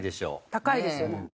高いですよね。